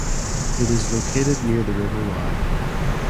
It is located near the River Wye.